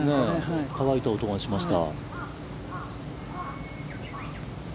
乾いた音がしました。